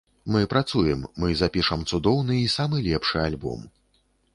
Мы працуем, мы запішам цудоўны і самы лепшы альбом.